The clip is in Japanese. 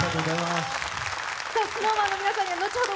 ＳｎｏｗＭａｎの皆さんには後ほど